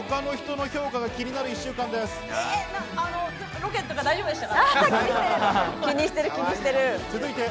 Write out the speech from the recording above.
ロケとか大丈夫でしたか？